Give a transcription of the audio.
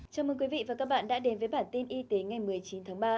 chào mừng quý vị và các bạn đã đến với bản tin y tế ngày một mươi chín tháng ba